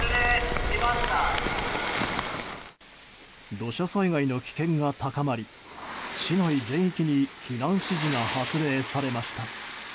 土砂災害の危険が高まり市内全域に避難指示が発令されました。